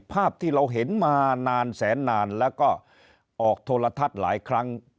ภาพที่เราเห็นมานานแสนนานแล้วก็ออกโทรทัศน์หลายครั้ง